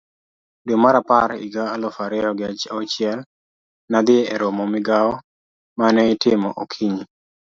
Dwe mar apar higa aluf ariyo gi auchiel, nadhi eromo Migawo mane itimo okinyi.